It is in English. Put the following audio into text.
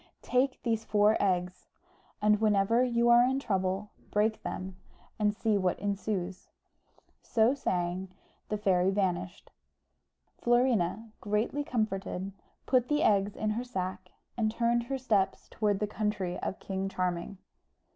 Take these four eggs, and whenever you are in trouble, break them, and see what ensues." So saying, the fairy vanished. Florina, greatly comforted, put the eggs in her sack, and turned her steps towards the country of King Charming.